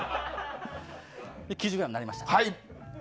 ９０ｇになりました。